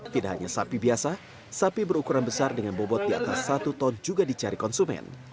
tidak hanya sapi biasa sapi berukuran besar dengan bobot di atas satu ton juga dicari konsumen